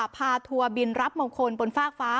ทัวร์บินรับมงคลบนฟากฟ้า